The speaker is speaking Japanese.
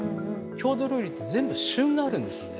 郷土料理って全部旬があるんですね。